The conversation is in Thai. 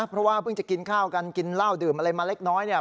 เพราะว่าเพิ่งจะกินข้าวกันกินเหล้าดื่มอะไรมาเล็กน้อยเนี่ย